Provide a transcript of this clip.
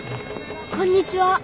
こんにちは。